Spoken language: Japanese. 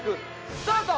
スタート！